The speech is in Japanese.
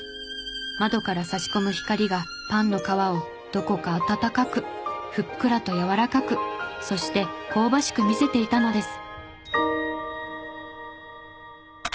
窓から差し込む光がパンの皮をどこか温かくふっくらとやわらかくそして香ばしく見せていたのです。